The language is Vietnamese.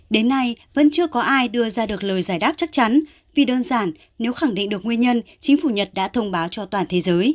đến nay vẫn chưa có ai đưa ra được lời giải đáp chắc chắn vì đơn giản nếu khẳng định được nguyên nhân chính phủ nhật đã thông báo cho toàn thế giới